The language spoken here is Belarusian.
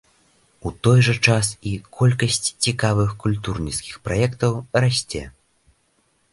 У той жа час і колькасць цікавых культурніцкіх праектаў расце.